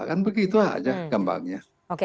kan begitu aja gambarnya